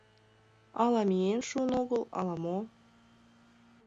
Ала миен шуын огыл, ала-мо.